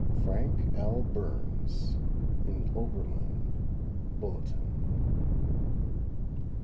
FRANK L. BURNS, In Oberlin Bulletin.